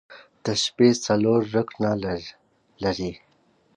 تشبیه څلور رکنه لري.